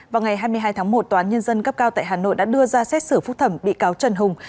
vào ngày hai mươi hai tháng một toán nhân dân cấp cao tại hà nội đã đưa ra xét xử phúc thẩm bị cáo trần hùng